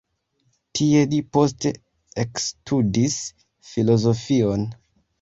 Tie li poste ekstudis filozofion.